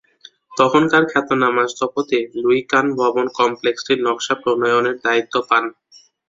তখনকার খ্যাতনামা স্থপতি লুই কান ভবন কমপ্লেক্সটির নকশা প্রণয়নের দায়িত্ব পান।